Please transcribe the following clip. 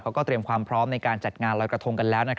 เตรียมความพร้อมในการจัดงานลอยกระทงกันแล้ว